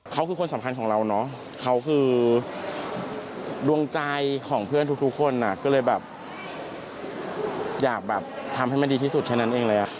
เขาคือคนสำคัญของเราเนาะเขาคือดวงใจของเพื่อนทุกคนก็เลยแบบอยากแบบทำให้มันดีที่สุดแค่นั้นเองเลย